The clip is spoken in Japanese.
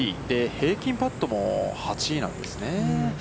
平均パットも８位なんですね。